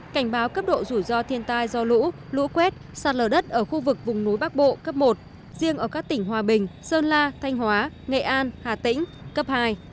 cảnh báo cấp độ rủi ro thiên tai do lũ lũ quét sạt lở đất ở khu vực vùng núi bắc bộ cấp một riêng ở các tỉnh hòa bình sơn la thanh hóa nghệ an hà tĩnh cấp hai